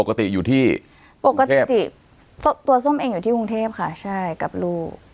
ปกติอยู่ที่ปกติตัวส้มเองอยู่ที่กรุงเทพค่ะใช่กับลูก